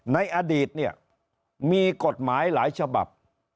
ในอดีตเนี่ยมีกฎหมายหลายฉบับ